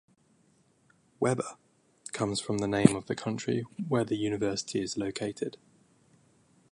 "Weber" comes from the name of the county where the university is located.